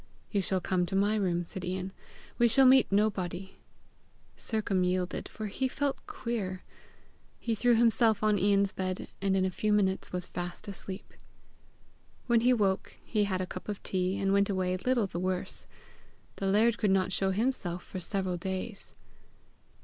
"You shall come to my room," said Ian. "We shall meet nobody." Sercombe yielded, for he felt queer. He threw himself on Ian's bed, and in a few minutes was fast asleep. When he woke, he had a cup of tea, and went away little the worse. The laird could not show himself for several days.